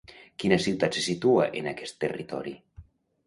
Quina ciutat se situa en aquest territori?